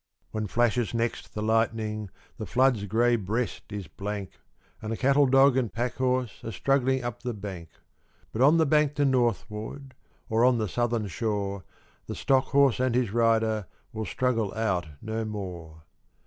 When flashes next the lightning, The flood's grey breast is blank, And a cattle dog and pack horse Are struggling up the bank. But on the bank to northward, Or on the southern shore, The stock horse and his rider Will struggle out no more.